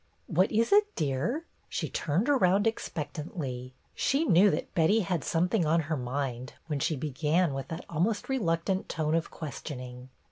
"What is it, dear?" She turned around expectantly. She knew that Betty had some thing on her mind when she began with that almost reluctant tone of questioning.